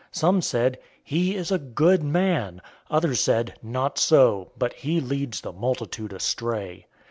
Some said, "He is a good man." Others said, "Not so, but he leads the multitude astray."